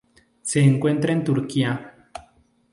Se encuentra en Turquía.